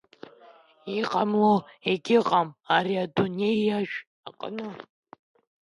Иҟамло егьыҟам, ари адунеиажә аҟны.